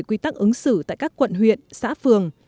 quy tắc ứng xử tại các quận huyện xã phường